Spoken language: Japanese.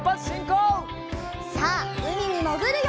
さあうみにもぐるよ！